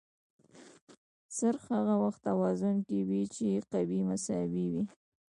څرخ هغه وخت توازن کې وي چې قوې مساوي وي.